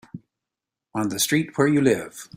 On the street where you live.